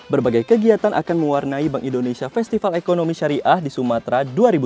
berbagai kegiatan akan mewarnai bank indonesia festival ekonomi syariah di sumatera dua ribu dua puluh